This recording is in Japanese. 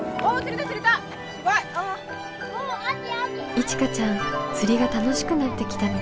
いちかちゃん釣りが楽しくなってきたみたい。